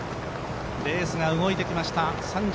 レースが動いてきました。